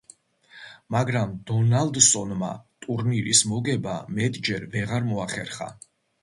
მაგრამ დონალდსონმა ტურნირის მოგება მეტჯერ ვეღარ მოახერხა.